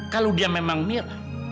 kalau dia memang mira